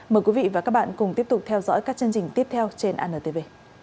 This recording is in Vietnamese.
mời quý vị và các bạn cùng tiếp tục theo dõi các chương trình tiếp theo trên antv